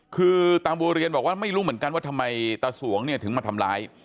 คือตาบัวเรียนบอกว่าไม่รู้เหมือนกันว่าทำไมตาสวงเนี่ยถึงมาทำร้าย